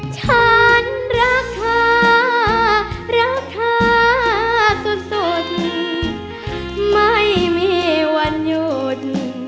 ฉันรักค่ารักค่าสุดสุดไม่มีวันหยุด